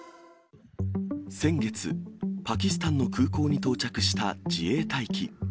先月、パキスタンの空港に到着した自衛隊機。